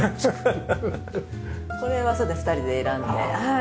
これは２人で選んではい。